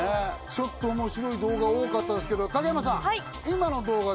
ちょっと面白い動画多かったですけど影山さん。